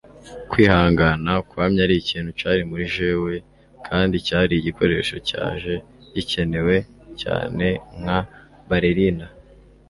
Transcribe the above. kwihangana kwamye ari ikintu cari muri jewe. kandi cyari igikoresho cyaje gikenewe cyane nka ballerina